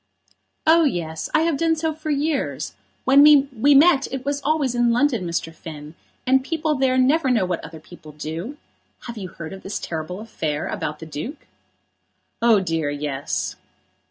"Oh, yes; I have done so for years. When we met it was always in London, Mr. Finn; and people there never know what other people do. Have you heard of this terrible affair about the Duke?" "Oh, dear, yes."